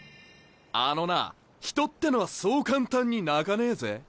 あのな人ってのはそう簡単に泣かねえぜ？